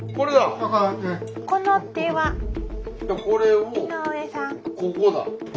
これをここだ。